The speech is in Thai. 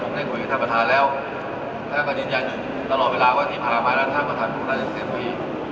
ผมได้คุยกับท่านประธานแล้วและก็ยินยันตลอดเวลาว่าที่พระอาหารรัฐท่านประธานก็ได้อยู่เต็มวี